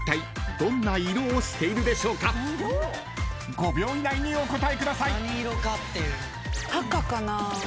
［５秒以内にお答えください］